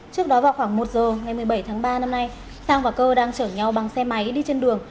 trước đó vào khoảng một giờ ngày một mươi bảy tháng ba năm nay sang và cơ đang chở nhau bằng xe máy đi trên đường